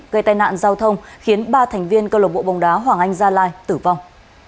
gây tai nạn giao thông khiến ba thành viên cơ lộng bộ bóng đá hoàng anh gia lai tử vong